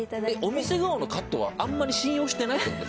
お店側のカットはあんまり信用してないってこと？